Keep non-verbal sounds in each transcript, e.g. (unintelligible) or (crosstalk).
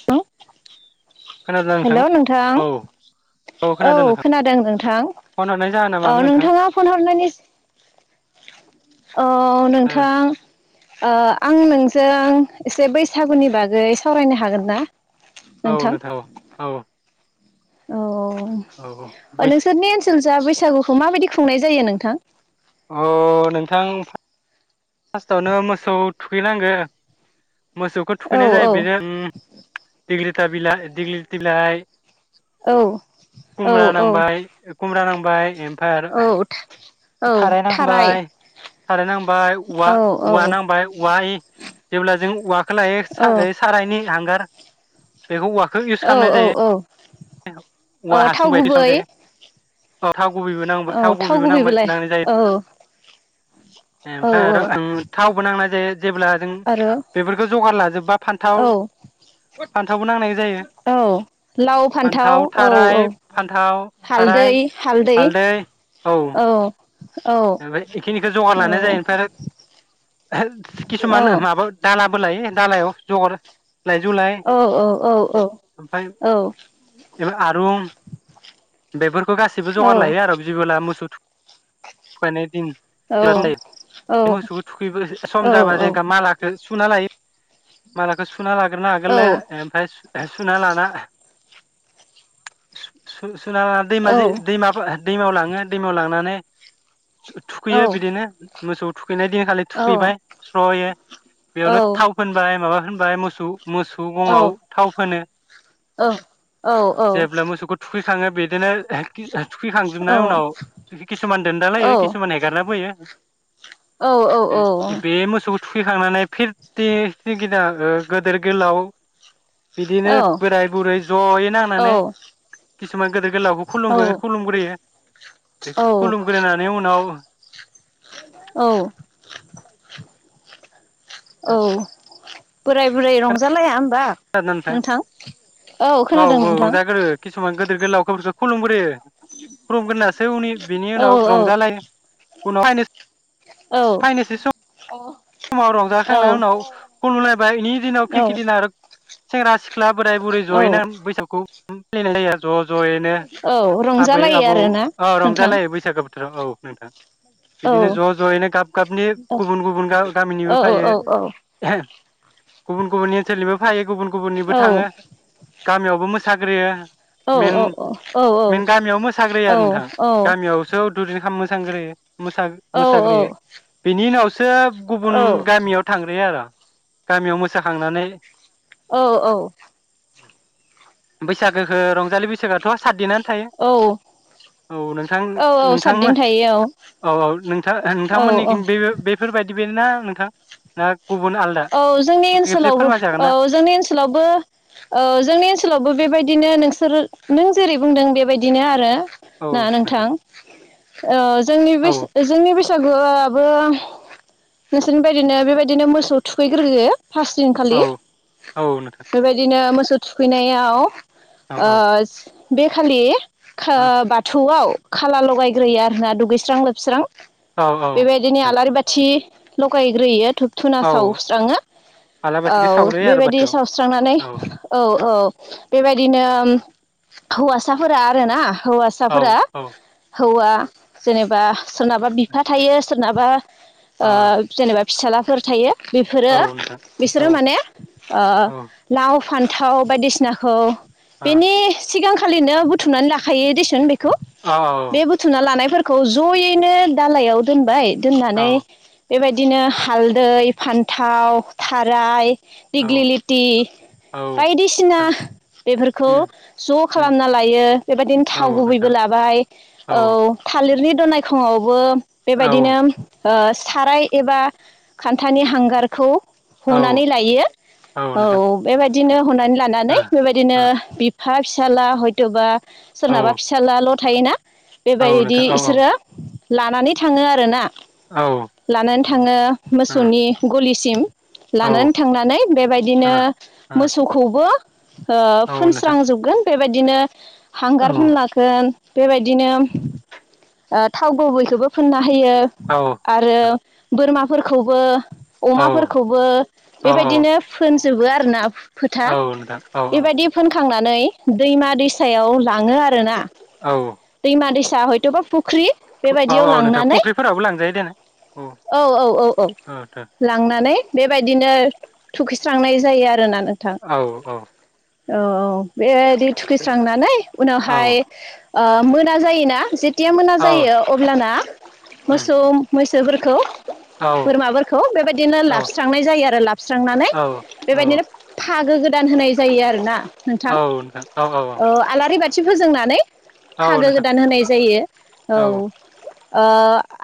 Hello hello नोंथां औ औ खोनादों नोंथां फन हरनाय जाहोना औ मामोन नोंथां नोंथाङा फन हरनायनि औ ओ नोंथां अ आं नोंजों एसे बैसागुनि बागै सावरायनो हागोन ना औ नोंथां औ औ औ औ औ ओ बैसो नोंसोरनि ओनसोल जा बै सागुखौ माबायदि खुंनाय जायो नोंथां अ नोंथां फार्स्टावनो मोसौ थुखैनांगौ मोसौखौ औ थुखैनाय जायो बेनो उम दिग्लि (inaudible) बिलाइ दिग्लि बिलाइ औ औ खुम्रा नांबाय औ कुम्रा नां बाय एम ओमफ्राय आरो औ ओ थाराय नांबाय थाराय नांबाय औवा औ औ औवा नांबाय औवा इ जेब्ला जों औवा खो लायो साराय सारायनि हांगार बेखौ औवाखौ इउस औ खालामनाय औ औ जायो औ औवा थाव हासुं गुबै खालामनाय जायो थाव गुबैबो नांबाय औ थाव गुबैबो गुबैबोलाय नां-नांनाय जायो औ औ ओमफाय औ आरो ओं थावबो नांनाय जायो जेब्ला जों आरो बेफोरखौ जगार ला हाजोबा औ नांनाय जायो औ लाव फान्थाव औ थाराय औ फान्थाव थाराय हालदै हालदै औ ओमफ्राय इखिनिखो जगार लानाय जायो ओमफ्राय किसुमान माबा दालाबो लायो। दालायाव जगर औ औ औ औ औ इफोर आरुम बेफोर बेखौ गासैबो जगार लायो आरो बिबोला मोसौ थुख खौनाय दिन नाथाय बे मोसौखौ थुखै सम जाबा जेनबा मालाखो सुना लायो मालाखो सु सुना लाग्रोना आगोलले ओमफ्राय सु सुना लाना सु-सु सुना लान दैमा जिं दैमाफोर दैमायाव लाङो दैमायाव लांनानै थुख-थुखैयो बिदिनो। मोसौ थुख थुखैनाय दिनखालि थुखैबाय स्रयो बेयावनो थाव फोन बाय माबा होनबाय मोस सु मोसौ गङाव थाव फोनो औ औ जेब्ला मोसौखौ थुखै थाङो बिदिनो (unintelligible) थुखैखांजोबनाय उनाव किसुमान दोनदाल होयो किसुमान हेगारनाबो होयो बे मोसौ थुखैखांनानै फिरटि फि गिदां हागो गोदोर गोलाव बिदिनो बोराय बुरै ज'यै नांनानै किसुमान गोदोर गोलावखौ खुलुमो खुलुमग्रोयो। बे खुलुमग्रोनानै उनाव औ औ बोराय बुरै रंजालायाम बा नोंथां औ खोनादों नोंथां दिर गोलावखफोरखौ खुुलुमग्रोयो खुलुमगोरनासो उनि बिनि औ उनाव औ रंजालायो उनाव फायनोस औ फाइनोसै सम समाव रंजाखांनाय उनाव औ खुलुमलायबाय बेनि दिनाव फिखिनि नारक सेंग्रा सिख ख्ला बोराय बुरै औ औ जयैनो बैसागुखौ (unintelligible) ज' ज'यैनो औ आबै रंजालायो आबौ आरोना औ नोंथां रंजालायो बैसागो बोथोराव औ नोंथां औ बिदिनो ज' ज'यैनो गाब गाबनि औ गुबुन गुबुन गाब औ औ औ औ गुबुन गुबुननि ओनसोलनिबो फायो गुबुन गुबुननिबो औ थाङो गामियावबो मोस साख्रियो औ मेन औ मेन गामियाव मोसाग्रोयो आरो नोंथां गामियावसो दुरिन खालामो थांग्रोयो मोसा मोसाग्रोयो बेनि उनावस सोब गुबुन गामियाव थांग्रोयो आर' गामियाव मोसाखांनानै औ औ बैसागोखो रंजालि बैसागोआथ सातदिना थायो औ औ नोंथां औ नोंथांमो सातदिन थायो औ औ औ नोंथा आ औ नोंथांमोननिखिं औ बे-बेफोरबाय गिबिनना नोंथां ना गुबुन आलदा औ जोंनि खेबसे ओनसोलावबो फोरमायजागोन औ ना जोंनि ओनसोलावबो औ जोंनि ओनसोलावबो बेबाय बिदिनो नोंस सोरो नों जेरै बुंदों बेबाय दिनो आरो ना नोंथां। ओ जोंनि बेस औ जोंनि बिस सागुआबो नोंसोरनि बदिनो बेबायदिनो मोसौ थुखैग्रोयो। फास दिनखालि औ औ नोंथां बेबायदिनो मोस थु-थुखैनायाव औ ओ बे खालि खो औ बाथौआव खाला लगायग्रोयो आरोना दुगैस्रां लोबस्रां। औ औ बेबायदिनो आलारि बाथि लगायग्रोयो थब औ सावस्राङो औ आलाबाथिखौ सावग्रोयो आरो बेबायदि बाथौआव सावस्रांनानै औ औ बेबायदिनो हौवासाफोरा आरोना औ हौवासाफोरा औ हौवा जेनेबा सोरनाबा बिफा थायो सोरनाबा ओ जेनेबा फिसालाफोर थायो। बेफोरो औ नोंथां औ बिसोरो माने ओ औ लाव फान्थाव बायदिसिनाखौ औ बेनि सिगां खालिनो बुथुमनानै लाखायो देसुन बे खौ औ बे बुथुमना लानायफोर खौ जयैनो दालायाव दोनबाय। औ दोननानै बेबायदिनो हालदै फान्थाव, थाराय औ दिग्लिलिथि औ बायदिसिना नोंथां बेफोरखौ उम ज' उम खालामना लायो बेबायदिनो औ थाव गुबैबो नोंथां लाबाय औ थालिरनि दनायखंआवबो औ बेबायदिनो ओ साराय एबा खा थानि हांगारखौ औ हनानै लायो औ बेबायदिनो हनानै लानानै बेबायदिनो हा फिसाला हयथ'बा ओ सोरनाबा फिसालाल' थायोना औ बेबायदि नोंथां औ औ इसोरो लानानै थांङो आरो ना। औ ओ लानानै थांङो मोस गलिसिम। औ ओ लानानै थांनानै बेबायदिनो मोसौखौबो ओ औ नोंथां फोनस्रांजोबगोन। बेबायदिनो औ हांगार फोनलागोन बेबायदिनो ओ थावगुबैखौबो फुनना होयो नोंथां आरो औ बोरमा फोरखौ बो अमाफोरखौबो औ बेबायदिनो फोनजोबो आरो। फोरनाव फोथा औ नोंथां औ बेबायदि फोनखा थांनानै दैमा दैसायाव लाङो आरो ना। औ दैमा दैसा था हयथबा प्रुब फुख्रि बेबायदियाव औ नोंथां लांनानै फुख्रिफोरावबो लांजायो औ औ औ औ। ओ थो लांनानै बेबायदिनो थुखैस्रांनाय जायो आरो ना औ औ औ औ बे थुखैस्रांनानै उनावहाय ओ मोना जायोना जे खुथिया मोना औ औ जायो अब्लाना उम मोसौ मो सौफोरखौ औ बोरमाफोरखौ बेबायदिनो औ लाबस्रांनाय जायो आरो लाबस्रांनानै औ औ बेबायदिनो फागो गोदान होनाय जायो आरो ना औ नोंथां नोंथां औ ओ आलारि बाद बाथि फोजोंनानै औ फागो नोंथां गोदान होनाय जायो औ ओ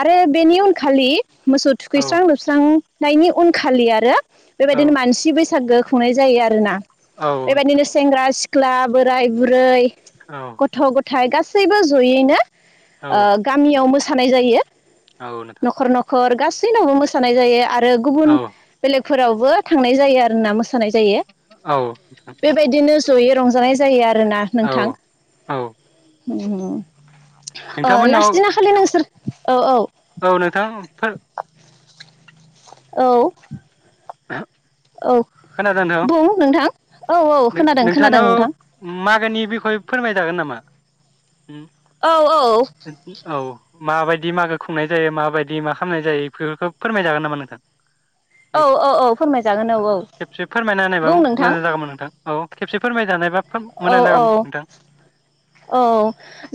आरो बेनि उनखालि मोस औ थुखैस्रां लोबस्रां नायनि उनखालि आरो औ बेबायदिनो मानसि बैस बैसागो खुंनाय जायो आरोना औ नोंथां बेबायदिनो सेंग्रा सिख ख्ला बोराय बुरै औ गथ ग थाय गासैबो जयैनो औ ओ गामियाव मोस थानाय जायो औ नोंथां नखर नखर बैनावबो मोसानाय जायो आर रो औ गुबुन बेेलेग फोरावबो थांनाय जायो आरोना मोसानाय जायो औ नोंथां बे बायदिनो जयै रंजानाय जायो आर आरोना औ नोंथां औ उम ओ नोंथांमोननाव लासस्ट दिना खालि नोंसोर औ औ औ नोंथां फोर औ (inaudible) औ खोनादों नोंथां बुं नोंथां औ औ खोनादों खोनादों नोंथांनाव नोंथां मागोनि बिखय फोरमायजागोन नामा औ औ औ माबायदि मागो खुंनाय जायो माबायदि मा खालामनाय जायो बेफोरखौ फोरमायजागोन नामा नोंथां बे औ औ औ फोरमायजागोन औ औ खेबसे फोरमायना होननायबा बुं नोंथां मोजां जागौमोन नोंथां औ खबसे फोरमाय जानायबा खोब औ मोजां औ जागौमोन नोंथां औ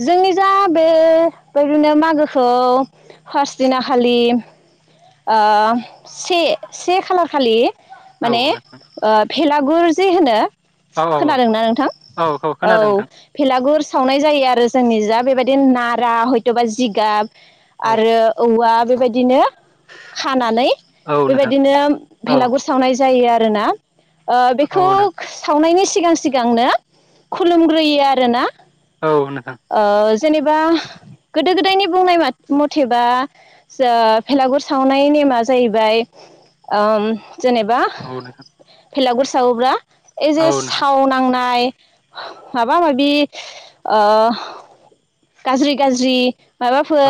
जोंनि जा बे बादिनो मागोखौ फार्स्ट दिना खालि आ से से खालार खालि औ माने नोंथां ओ भेलागुर जे होनो औ औ औ खोनादोंना नोंथां औ भेलागुर सावनाय जायो आरो जोंनि जा बे बायदि देन नारा हयथबा जिगाब औ आरो औवा बे बायदिनो खानानै औ नोंथां बेबायदिनो औ भेलागुर सावनाय जायो आरो रो ना ओह बेखौ औ नों सावनायनि सिगां सिगांनो खुलुमग्रोयो आरो ना औ नोंथां जेनेबा गोदो गोदायनि बुंनाय मात मथेबा सोह भेलागुर सावनाय नेमा जाहैबाय ओम जेनेबा औ नोंथां भेलागुर सावोब्ला एजे औ नोंथां साव नांनाय माबा माबि ओह गाज्रि गाज्रि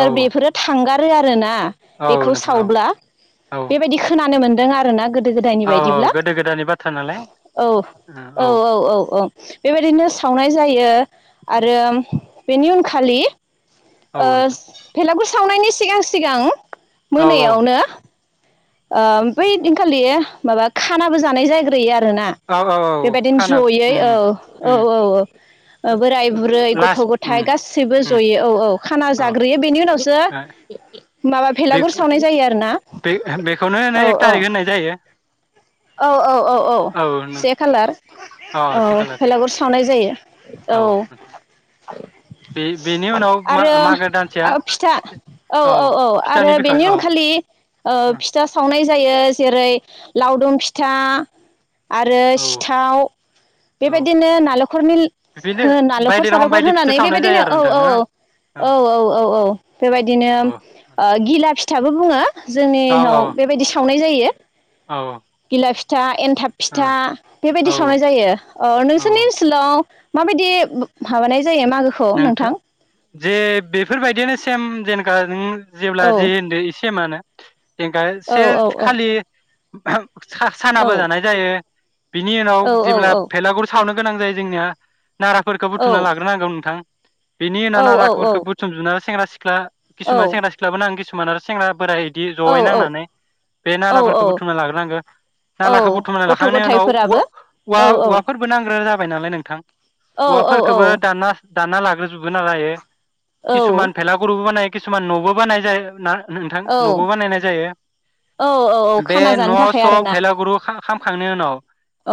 औ बेफोरो थांगा रो आरो ना। औ बेखौ नोंथां औ सावब्ला औ बेबायदि खोनानो मोन दों आरोना गोद गोदो गोदायनि औ बायदिब्ला गोदो गोदायनि बाथ्रा नालाय औ औ ओ औ औ औ बेबायदिनो सावनाय जायो आरो बेनि उन खालि औ ओ नोंथां भेलागुर सावनायनि सि सिगां सिगां औ औ मोनायावनो ओह बै दिनखालि माबा खानाबो जानाय जायग्रोयो आर रोना औ औ औ खाना बेबादिनो जयै उम औ औ उम औ औ बोराय बुरै गथ' लास्ट उम गथाय गासैबो उम जयै औ औ खाना औ ओ जाग्रोयो बेनि उनावसो माबा बे भेलागुर सावनाय जायो आरो ना। बे बेखौनो ओनो औ एक औ तारिक ओननाय जायो। औ औ औ औ से खालार अ से ओउ खालार भेलागुर सावनाय जायो औ। बे बेनि उनाव मा आरो मागो दानसेया फिथा फिथ औ औ औ आरो फिथानि बिखय बेनि औ उनखालि ओह फिथा सावनाय जा जायो जेरै लावदुम फिथा आरो औ सिथाव औ बेबायदिनो नालखरनि ला बिदिनो ओह नालखर बायदि रोखोम सालखर बायदि फिथा होनानै सावनाय जायो बेबायदिनो आरो औ नोंथां औ ना औ औ औ औ औ बेबायदिनो ओ गिला फिथाबो बुङो जोंनिहाव औ बेबायदि सावनाय जा जायो। औ औ। गिला फिथा एन थाब फिथा बेबायदि ओ सावनाय जायो अ औ नोंसोरनि ओनसोलाव माबायदि बोब भाबानाय जायो मागोखौ नोंथां जे बेफोरबायदियानो सेम जेनेका नों जेब्ला औ जे होनदो इ सेमानो। औ औ (inaudible) औ खालि (inaudible) सा सानाबो औ जानाय जायो। बिनि औ उनाव जेब्ला भेलागुर सावनो गोनां जायो जोंनिया नाराफोरखौ बुथुमना लाग्रोरोनांगौ नों थां। बेनि उनाव नाराफोरखौ बुथुमजुबना सेंग्रा सिख्ला किसुमान सेंग्रा सिख्लाबोनां किसु मान आरो सेंग्रा बोराय बिदि जयै नांनानै बे नाराफोरखौ औ बुथुमना लाग्रोनांगो। औ नालाखो बुथुमना गथ' लाखांनायनि उनाव औव गथायाइफोराबो औवा औ औवाफोरबो नांग्रो जाबाय नालाय नोंथां औ औ औवाफोरखोबो दानना दानना लाग्रोजुबो नालायो। किसुमान औ भेलागुरबो बानायो। किसुमान नबो बानाय जायो ना। नोंथां औ न'बो बानायनाय जायो। औ औ बे खाना न' जानो थाखाय स' आरोना भेलागुरु खा खामखां खांनाय उनाव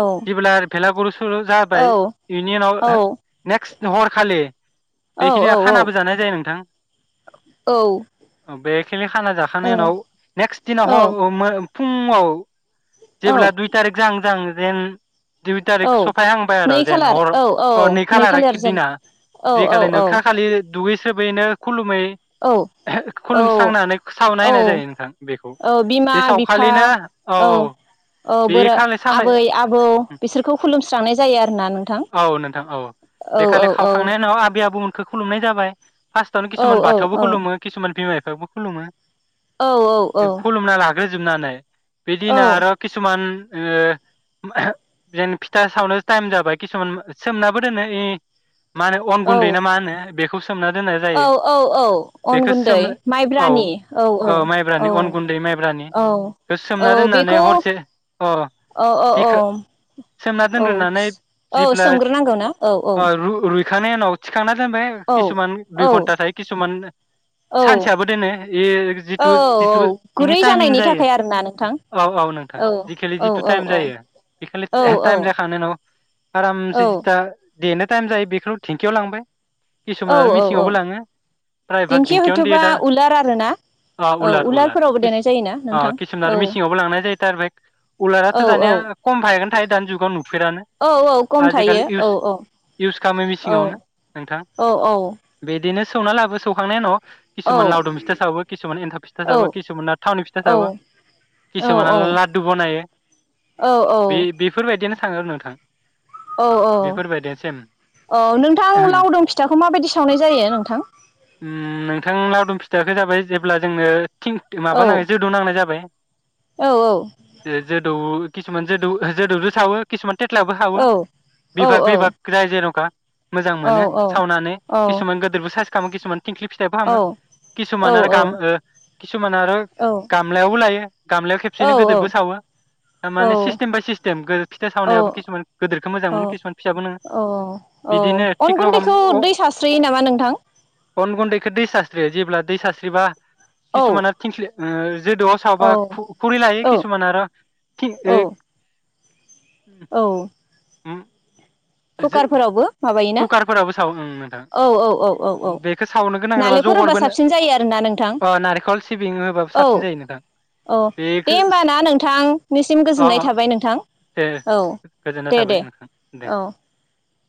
औ जेबोलार भेलागुरु ओ जाबाय औ इनि उनाव औ ओ नेकस्ट नोहर खालि औ बेखिनिया औ खानाबो जानाय जायो नोंथां। अ बेख (unintelligible) खाना जाखांनाय औ उनाव नेक्स्ट दिनाव ह औ ओ मो फुङाव औ जेब्ला दुइ तारिग जाहां जाहां रेन दुइ औ थारिख सफायहांबाय आरो नै जेन खालार हर औ औ अ नै खालार खालारखि जों दिना। औ जि औ खालि औ नोंखा खालि दुगै सोर बेैनो खुलुमै औ औ खुलुमस्रांनानै सावना औ होनाय जायो नोंथां बेखौ औ बिमा बिफा औ औ बे बोरा खालि सावनाय आबै आबौ बिसोरखौ खुलुमस्रांनाय जायो आरोना नोंथां औ औ औ। थांनायनि उनाव आबै आबौमोन खो खुलुमनाय जाबाय। फास्टआवनो औ खिसुमान औ बाथौबो औ खुुलुमो खिसुमान बिमा थेवबो खुलुमो। औ औ बे खुलुमना ला बोजुबनानै बिदिनो आरो खिसुमान ओ (unintelligible) जेन फिथा सावनो टाइम जाबाय किसुमान सोमनाबो दोनो इ मा होनो अन गुन्दै ना मा होनो बेखौ सो औ औ औ अन गुन्दै सोम औ माइब्रानि औ औ औ माइब्रानि अन गुन्दै माइब्रानि औ बेखौ औ सोमना दोननानै बेखौ हरसे अ औ औ औ जिखो सोमना औ दोनग्रोनानै सो औ सोमग्रोनांगौ ना औ औ। थिखानाय उनाव थिखांना दोनबाय औ किसुमान दुइ औ घन्टा थायो किसुमान औ सानसेयाबो दोनो ए औ जिथु औ जिथु इनि गुरै टाइमिं जानायनि जायो थाखाय आरोना नोंथां औ औ नोंथां जिखालि औ जिथु औ टाइम औ जायो बे खालि औ टाइम औ जाखांनायनि उनाव आरामसे जिथा देनो टाइम जायो बेखौ थेंकिआव लांबाय किसुमान औ आरो औ मिसिंआवबो औ लाङो प्रायभाग दिंखि दिन्थियावनो दे हयथ'बा दा उलार आरोना ओ औ उलार उलारफोरावबो उलार देनाय जायोना नोंथां किसुमान औ आरो मिसिंआवबो लांनाय जायो थार ओम औ उलाराथ दानिया खम फायागोनथायो दानि जुगाव न औ औ खम थायो औ औ। इउस खालामो औ मेसिङावनो नोंथां औ औ। बिदिनो सौना लाबो सौखांनाय उनाव औ किसुमान लावदुम फिथा सावो किसुमान एन्थाब फिथा औ सावो किसुमाना थावनि फिथा सावो किसुमाना लादु बनायो औ बे-बेफोरबायदिनो। थाङो आरो नोंथां। औ औ बेफोरबायदेसिम औ नोंथां लावदुम फिथाखौ माबायदि सावनाय जायो नोंथां? ओम नोंथां लावदुम फिथाखो जाबाय जेब्ला जोंनो थिं औ माबा नाङो जोदौ नांनाय जाबाय औ ओ जोदु किसुमान जे दौ जेदौजों सावो किसुमान थेटलायावबो साबो औ औ बिभाग बिभाग जाय जेन खा मोजां औ मोनो सावनानै औ किसुमान गोदोरबो साइस खालामो किसुमान थिंख्लि फिथाइ फोरावनो किसुमान आरो गाम औ किसुमान आरो गामलायावबो लायो। गामलायाव खेबसेयैनो गोदोरबो सावो थारमाने सिस्टेम बाय सिस्टेम फिथा सावनायाबो औ खिसुमान गोदिरखौ मोजां मोनो किसुमान फिसाबो औ नोङो औ बिदिनो अन थिग रखम गुन्दैखौ दै सास्रियो नामा नोंथां? गन गुन्दैखौ दै सास्रियो जेब्ला दै सास्रिबा औ किसुमाना थिंख्लि (unintelligible) जोदोआव सावबा औ खु खुरि लायो औ किसुमान आरो थि औ औ। होम? कुकारफोरावबो माबायोना सावो ओं नोंथां औ औ औ औ औ बेखौ सावनो गोनां जाबा नालेंखर होबा जगरबो साबसिन जायो आरोना नोंथां ओ नारेंखल सिबिं होबाबो औ साबसिन जायो नोंथां औ बेखो दे होम्बा ना नोंथांनिसिम अ गोजोननाय अ थाबाय नोंथां दे औ गोजोननाय दे थाबाय दे नोंथां दे। औ।